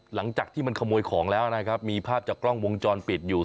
หลังจากที่มันขโมยของแล้วนะครับมีภาพจากกล้องวงจรปิดอยู่